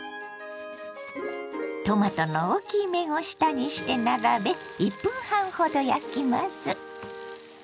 トマトの大きい面を下にして並べ１分半ほど焼きます。